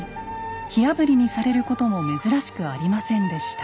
火あぶりにされることも珍しくありませんでした。